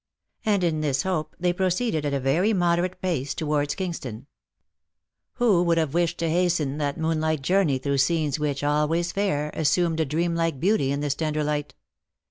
And in this hope they proceeded at a very moderate pace to wards Kingston. Who would have wished to hasten that moonlight journey : through scenes which, always fair, assumed a dream like beauty in this tender light